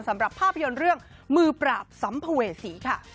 สำหรับภาพยนตร์เรื่องมือปราบสัมภเวษีค่ะ